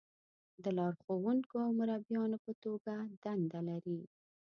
د لارښونکو او مربیانو په توګه دنده لري.